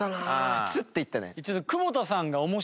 プツッていったね。